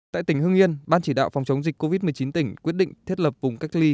tại tỉnh hưng yên ban chỉ đạo phòng chống dịch covid một mươi chín tỉnh quyết định thiết lập vùng cách ly